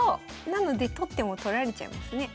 なので取っても取られちゃいますね。